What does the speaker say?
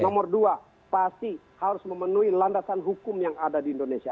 nomor dua pasti harus memenuhi landasan hukum yang ada di indonesia